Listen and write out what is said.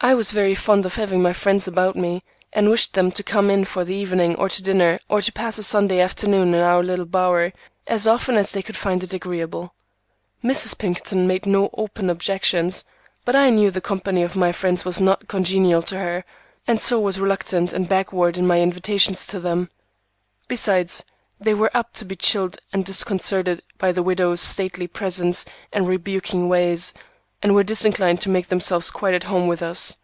I was very fond of having my friends about me, and wished them to come in for the evening or to dinner or to pass a Sunday afternoon in our little bower, as often as they could find it agreeable. Mrs. Pinkerton made no open objections, but I knew the company of my friends was not congenial to her, and so was reluctant and backward in my invitations to them. Besides, they were apt to be chilled and disconcerted by the widow's stately presence and rebuking ways, and were disinclined to make themselves quite at home with us.